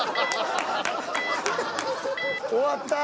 終わった。